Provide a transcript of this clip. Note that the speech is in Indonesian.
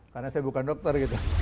karena saya bukan dokter